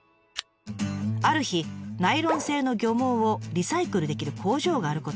ある日ナイロン製の漁網をリサイクルできる工場があることを知ります。